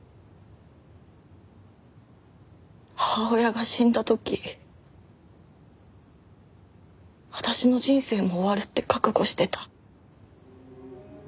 母親が死んだ時私の人生も終わるって覚悟してた。